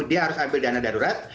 dia harus ambil dana darurat